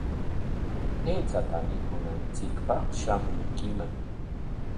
Aychata mikunanchikpaq shamunkiman.